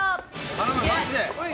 頼むマジで！